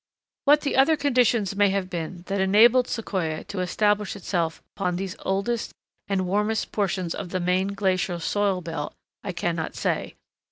] What the other conditions may have been that enabled Sequoia to establish itself upon these oldest and warmest portions of the main glacial soil belt, I cannot say.